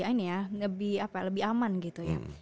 ini ya lebih apa lebih aman gitu ya